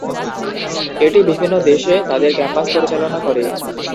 এটি বিভিন্ন দেশে তাদের ক্যাম্পাস পরিচালনা করে।